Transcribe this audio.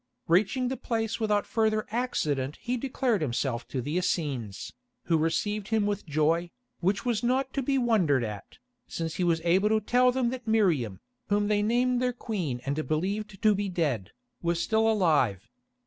Reaching the place without further accident he declared himself to the Essenes, who received him with joy, which was not to be wondered at, since he was able to tell them that Miriam, whom they named their Queen and believed to be dead, was still alive.